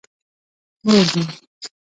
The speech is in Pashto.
مور مې.